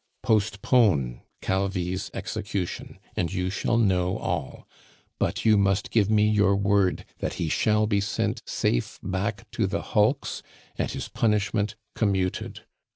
Postpone Calvi's execution, and you shall know all; but you must give me your word that he shall be sent safe back to the hulks and his punishment commuted.